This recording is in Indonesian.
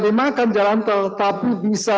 dimakan jalan tol tapi bisa